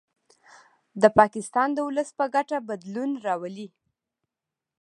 د پاکستان د ولس په ګټه بدلون راولي